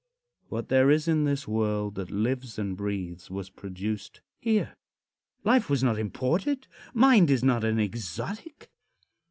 What there is in this world that lives and breathes was produced here. Life was not imported. Mind is not an exotic.